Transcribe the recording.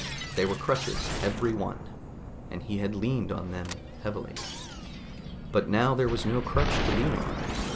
They were crutches, every one, and he had leaned on them heavily. But now there was no crutch to lean on.